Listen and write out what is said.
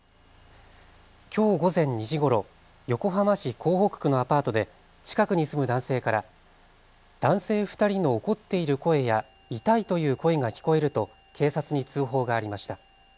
きょう午前２時ごろ横浜市港北区のアパートで近くに住む男性から男性２人の怒っている声や痛いという声が聞こえると警察に通報がありました。